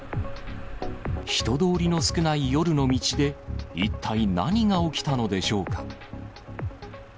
人通りの少ない夜の道で、一体何が起きたのでしょうか。